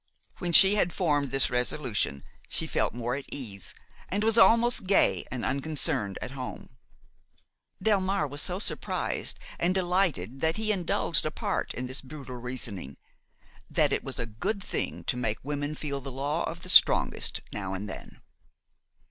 When she had formed this resolution, she felt more at ease and was almost gay and unconcerned at home. Delmare was so surprised and delighted that he indulged apart in this brutal reasoning: that it was a good thing to make women feel the law of the strongest now and then.